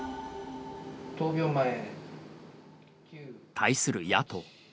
対する野党。